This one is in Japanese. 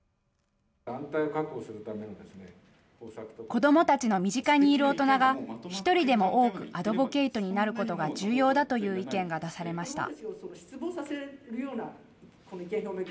子どもたちの身近にいる大人が、一人でも多くアドボケイトになることが重要だという意見が出されました。